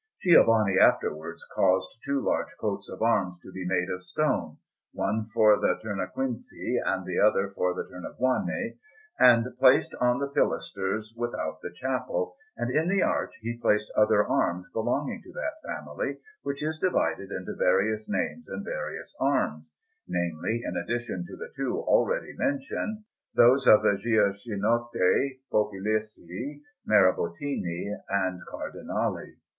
Giovanni afterwards caused two large coats of arms to be made of stone one for the Tornaquinci and the other for the Tornabuoni and placed on the pilasters without the chapel, and in the arch he placed other arms belonging to that family, which is divided into various names and various arms namely, in addition to the two already mentioned, those of the Ghiachinotti, Popoleschi, Marabottini, and Cardinali.